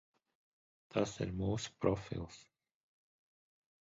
Tas ir mūsu profils.